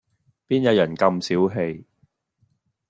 邊有人咁小器